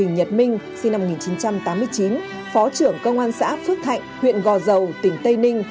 nhật minh sinh năm một nghìn chín trăm tám mươi chín phó trưởng công an xã phước thạnh huyện gò dầu tỉnh tây ninh